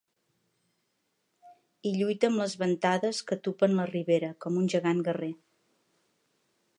I lluita amb les ventades que atupen la ribera, com un gegant guerrer.